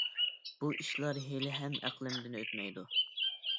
بۇ ئىشلار ھېلىھەم ئەقلىمدىن ئۆتمەيدۇ.